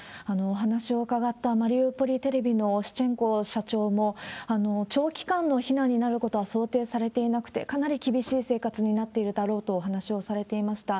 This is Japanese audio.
お話を伺ったマリウポリテレビのシチェンコ社長も、長期間の避難になることは想定されていなくて、かなり厳しい生活になっているだろうとお話をされていました。